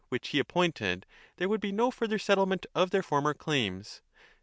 I348 1 OKCONOMICA which he appointed, there would be no further settlement of their former claims.